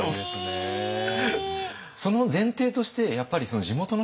その前提としてやっぱりその地元の人がね